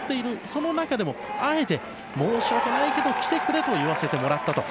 その中でもあえて申し訳ないけど来てくれと言わせてもらったと。